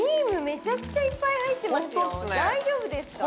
めちゃくちゃいっぱい入ってますよ